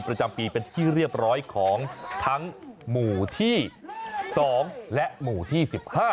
ประจำปีเป็นที่เรียบร้อยของทั้งหมู่ที่๒และหมู่ที่๑๕